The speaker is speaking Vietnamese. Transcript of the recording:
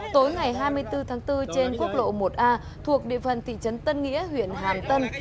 tối ngày hai mươi bốn tháng bốn trên quốc lộ một a thuộc địa phần thị trấn tân nghĩa huyện hàm tân